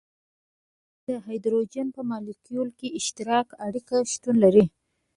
د هایدروجن په مالیکول کې اشتراکي اړیکه شتون لري.